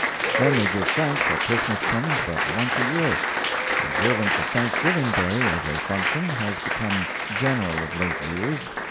Then they give thanks that Christmas comes but once a year. The observance of Thanksgiving Day as a function has become general of late years.